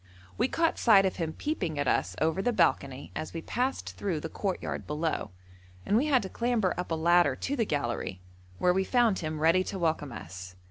We caught sight of him peeping at us over the balcony as we passed through the courtyard below, and we had to clamber up a ladder to the gallery, where we found him ready to welcome us.